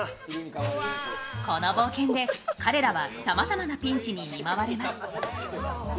この冒険で彼らはさまざまなピンチに見舞われます。